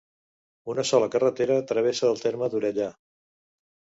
Una sola carretera travessa el terme d'Orellà.